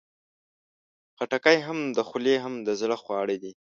خټکی هم د خولې، هم د زړه خواړه دي.